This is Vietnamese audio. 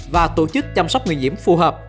và tổ chức chăm sóc người nhiễm phù hợp